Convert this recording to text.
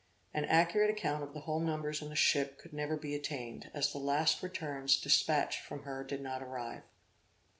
An accurate account of the whole numbers in the ship could never be obtained, as the last returns dispatched from her did not arrive.